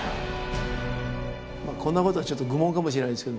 こんなことはちょっと愚問かもしれないですけれど